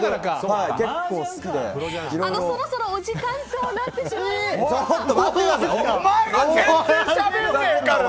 そろそろお時間となってしまいますが。